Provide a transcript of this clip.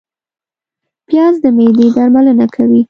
پیاز د معدې درملنه کوي